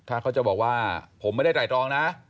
ถ้าเขาจะบอกว่าผมไม่ได้ไตรรองนะ